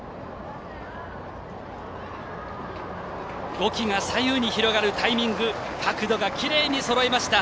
５機が左右に広がるタイミング角度がきれいにそろいました。